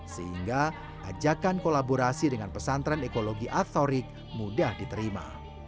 sehingga ajakan kolaborasi dengan pesantren ekologi atorik mudah diterima